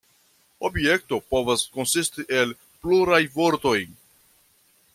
Objekto povas konsisti el pluraj vortoj.